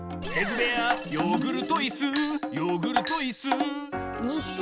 レグべやヨーグルトイスヨーグルトイス。